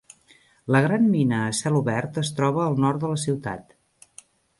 La gran mina a cel obert es troba al nord de la ciutat.